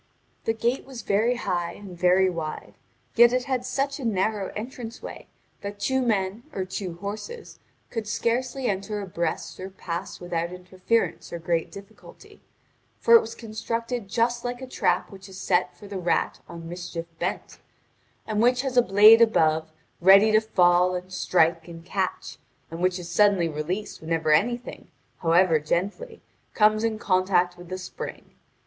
(Vv. 907 1054.) The gate was very high and wide, yet it had such a narrow entrance way that two men or two horses could scarcely enter abreast or pass without interference or great difficulty; for it was constructed just like a trap which is set for the rat on mischief bent, and which has a blade above ready to fall and strike and catch, and which is suddenly released whenever anything, however gently, comes in contact with the spring.